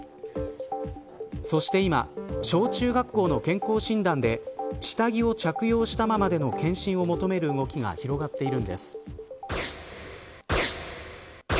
そして今、小中学校の健康診断で下着を着用したままでの健診を求める動きが広がっているんです。